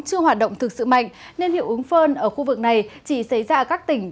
chưa hoạt động thực sự mạnh nên hiệu ứng phơn ở khu vực này chỉ xảy ra ở các tỉnh